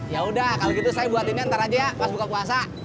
yaudah kalo gitu saya buatinnya ntar aja ya mas buka puasa